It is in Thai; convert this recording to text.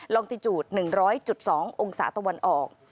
องติจูด๑๐๐๒องศาตะวันออก